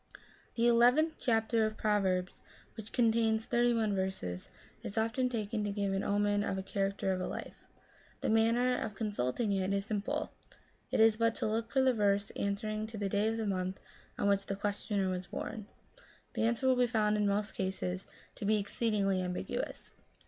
The eleventh chapter of Proverbs, which contains thirty one verses, is often taken to give omen of the character of a life. The manner of consulting it is simple ; it is but to look for the verse answering to the day of the month on which the questioner was bom. The answer will be found in most cases to be exceedingly ambiguous.